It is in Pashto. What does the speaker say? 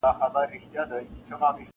شمعي ته به نه وایو لمبه به سو بورا به سو -